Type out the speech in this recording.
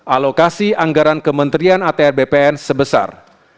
alokasi anggaran kementerian atr bpn sebesar